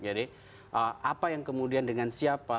apa yang kemudian dengan siapa